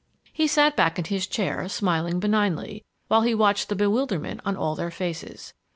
He sat back in his chair, smiling benignly, while he watched the bewilderment on all their faces.